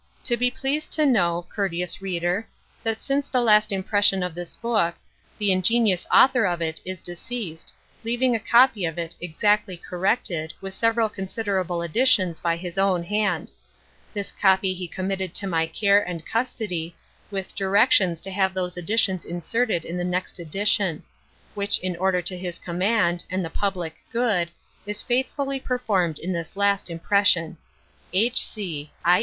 Be pleased to know (Courteous Reader) that since the last Impression of this Book, the ingenuous Author of it is deceased, leaving a Copy of it exactly corrected, with several considerable Additions by his own hand; this Copy he committed to my care and custody, with directions to have those Additions inserted in the next Edition; which in order to his command, and the Publicke Good, is faithfully performed in this last Impression. H. C. (_i.